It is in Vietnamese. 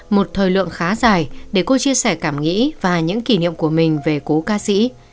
một thời lượng khá dài để cô chia sẻ cảm nghĩ và những kỷ niệm của mình về cố ca sĩ